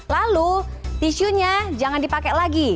lalu tisunya jangan dipakai lagi